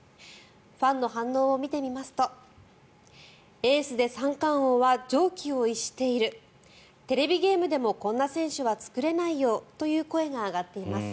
ファンの反応を見てみますとエースで三冠王は常軌を逸しているテレビゲームでもこんな選手は作れないよという声が上がっています。